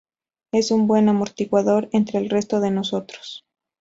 Es un buen amortiguador entre el resto de nosotros.